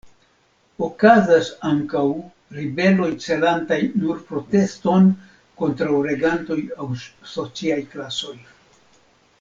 Okazas ankaŭ ribeloj celantaj nur proteston kontraŭ regantoj aŭ sociaj klasoj.